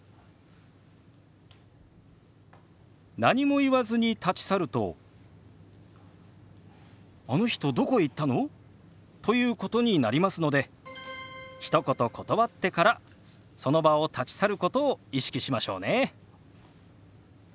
何も言わずに立ち去ると「あの人どこへ行ったの？」ということになりますのでひと言断ってからその場を立ち去ることを意識しましょうね。